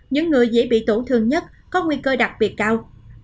những người dễ bị tổn thương nhất có nguy cơ đặc biệt cao